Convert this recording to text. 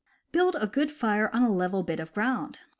— Build a good fire on a level bit of ground.